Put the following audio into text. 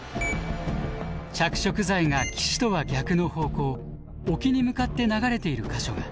着色剤が岸とは逆の方向沖に向かって流れている箇所が！